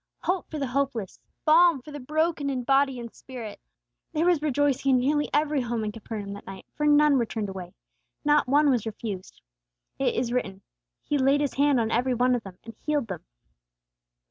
Hope for the hopeless! Balm for the broken in body and spirit! There was rejoicing in nearly every home in Capernaum that night, for none were turned away. Not one was refused. It is written, "He laid His hand on every one of them, and healed them."